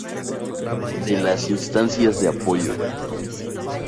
De las Instancias de Apoyo